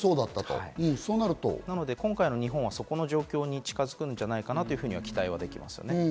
今回の日本はその状況に近づくんじゃないかなと期待はできますよね。